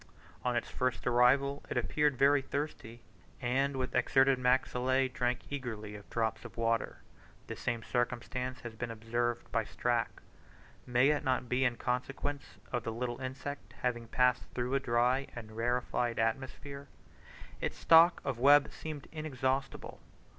On its first arrival it appeared very thirsty, and with exserted maxillae drank eagerly of drops of water, this same circumstance has been observed by Strack: may it not be in consequence of the little insect having passed through a dry and rarefied atmosphere? Its stock of web seemed inexhaustible.